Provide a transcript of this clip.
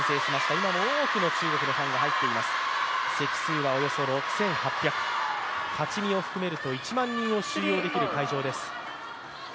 今も多くの中国のファンが入っています、席数はおよそ６８００立ち見を含めると１万人を収容できる会場です。